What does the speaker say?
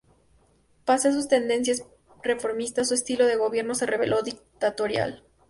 Pese a sus tendencias reformistas, su estilo de gobierno se reveló dictatorial.